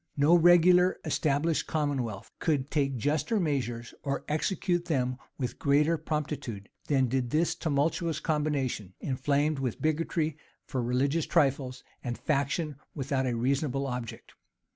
No regular established commonwealth could take juster measures, or execute them with greater promptitude, than did this tumultuous combination, inflamed with bigotry for religious trifles, and faction without a reasonable object.